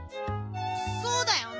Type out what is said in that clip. そうだよな。